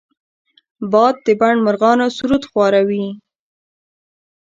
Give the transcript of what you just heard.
باد د بڼ مرغانو سرود خواره وي